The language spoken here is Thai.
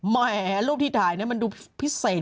แหมรูปที่ถ่ายนี่มันดูพิเศษ